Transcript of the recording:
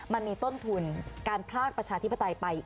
มันมีต้นทุนการพลากประชาธิปไตยไป